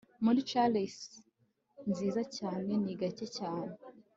Muri chalices nziza cyane ni gake cyane